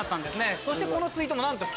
そしてこのツイートも。